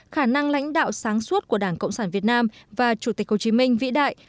khả năng lãnh đạo sáng suốt của đảng cộng sản việt nam và chủ tịch hồ chí minh vĩ đại